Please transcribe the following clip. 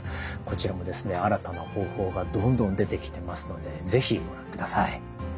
こちらもですね新たな方法がどんどん出てきてますので是非ご覧ください。